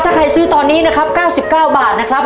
ถ้าใครซื้อตอนนี้นะครับ๙๙บาทนะครับ